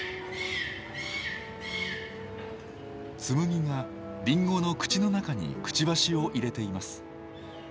つむぎがリンゴの口の中にクチバシを入れています。